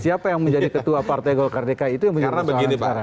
siapa yang menjadi ketua partai golkar dki itu yang menjadi ketua partai